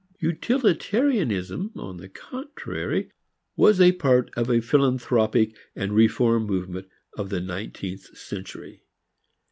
Utilitarianism on the contrary was a part of a philanthropic and reform movement of the nineteenth century.